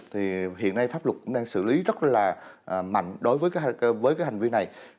thì hiện nay pháp luật cũng đang xử lý rất là mạnh đối với cái hành vi này